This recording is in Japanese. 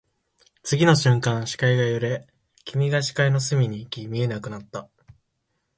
次の瞬間、視界が揺れ、君が視界の隅に行き、見えなくなった